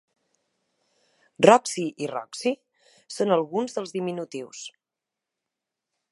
"Roxie" i "Roxy" són alguns dels diminutius.